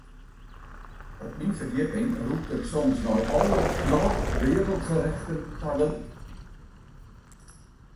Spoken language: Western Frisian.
Op myn ferdjipping rûkt it soms nei alle Knorr Wereldgerechten tagelyk.